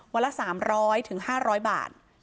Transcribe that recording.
วันละ๓๐๐๕๐๐บาท